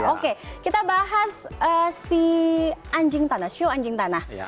oke kita bahas si anjing tanah show anjing tanah